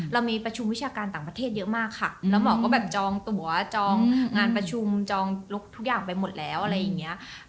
เรามีประชุมวิชาการต่างประเทศเยอะมากค่ะแล้วหมอก็แบบจองตัวจองงานประชุมจองลุกทุกอย่างไปหมดแล้วอะไรอย่างนี้